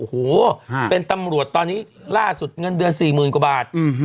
โอ้โหเป็นตำรวจตอนนี้ล่าสุดเงินเดือน๔๐๐๐กว่าบาท